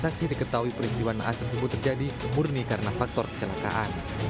akhirnya terlepas dari pegangan orang tua